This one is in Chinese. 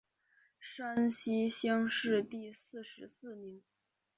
山西乡试第四十四名。